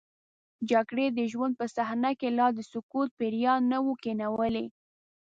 جګړې د ژوند په صحنه کې لا د سکوت پیریان نه وو کینولي.